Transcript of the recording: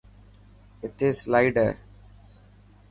اٿي سلائڊ هي .